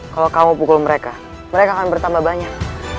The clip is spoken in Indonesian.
kalau kamu pukul mereka mereka akan bertambah banyak